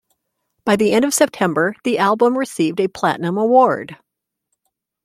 By the end of September, the album received a Platinum award.